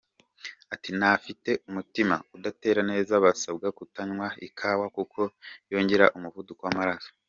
Ati “N’abafite umutima udatera neza basabwa kutanywa ikawa kuko yongera umuvuduko w’amaraso.